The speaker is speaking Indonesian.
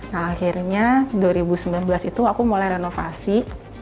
nah akhirnya dua ribu sembilan belas itu aku mulai renovasi